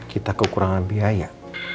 kita kekurangan biaya